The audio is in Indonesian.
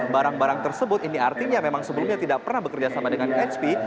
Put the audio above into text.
barang barang tersebut ini artinya memang sebelumnya tidak pernah bekerja sama dengan hp